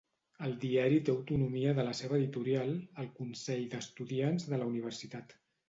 El diari té autonomia de la seva editorial, el Consell d'Estudiants de la Universitat.